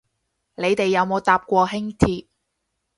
你哋有冇搭過輕鐵